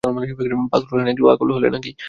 পাগল হলে নাকি?